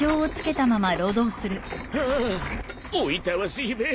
［ああおいたわしいべ］